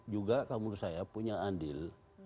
juga kalau menurut saya punya andil